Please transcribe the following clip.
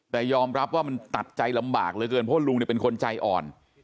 แต่ยอมรับว่ามันตัดใจลำบากเหลือเกินเพราะลุงเป็นคนใจอ่อน